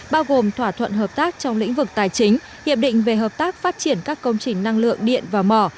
bao gồm thỏa thuận hợp tác trong lĩnh vực tài chính hiệp định về hợp tác phát triển các công trình năng lượng điện và mỏ